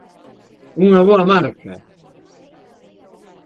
Unha boa marca...